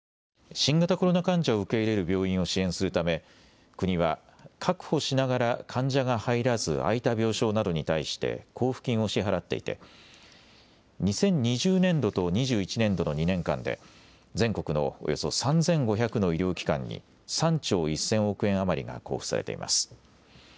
新型コロナ患者を受け入れる病院を支援するため国は確保しながら患者が入らず空いた病床などに対して交付金を支払っていて２０２０年度と２１年度の２年間で全国のおよそ３５００の医療機関に３兆１０００億円余りが交付されています。